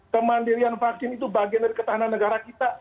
kemandirian vaksin itu bagian dari ketahanan negara kita